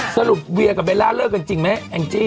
เวียกับเบลล่าเลิกกันจริงไหมแองจี้